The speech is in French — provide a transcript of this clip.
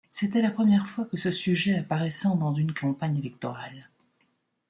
C'était la première fois que ce sujet apparaissant dans une campagne électorale.